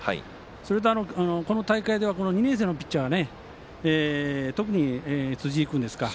それと、この大会では２年生のピッチャーが特に辻井君ですか。